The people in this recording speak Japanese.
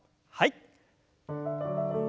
はい。